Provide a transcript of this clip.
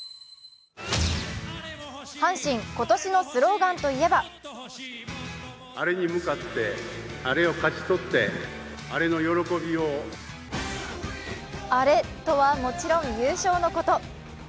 阪神、今年のスローガンといえばアレとは、もちろん優勝のこと。